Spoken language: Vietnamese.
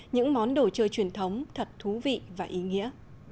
những món đồ chơi truyền thống thật thú vị và ý nghĩa